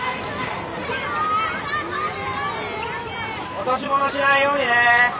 落とし物しないようにね！